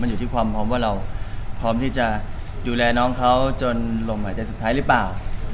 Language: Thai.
อยู่ที่ความพร้อมว่าเราพร้อมที่จะดูแลน้องเขาจนลมหายใจสุดท้ายหรือเปล่า